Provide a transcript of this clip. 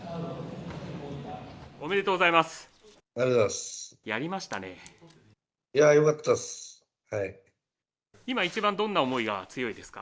おめでとうございます。